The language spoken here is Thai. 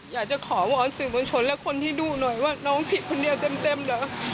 อยากจะขอวอนสื่อมวลชนและคนที่ดูหน่อยว่าน้องผิดคนเดียวเต็มเหรอ